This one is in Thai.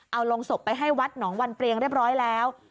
เอาลงศพไปให้วัดหนองวันเปรียงเรียบร้อยแล้ว